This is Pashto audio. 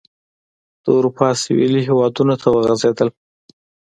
د اروپا سوېلي هېوادونو ته وغځېدل.